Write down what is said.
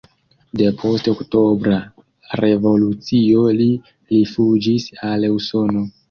Depost Oktobra Revolucio li rifuĝis al Usono.